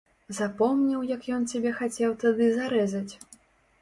Запомніў, як ён цябе хацеў тады зарэзаць?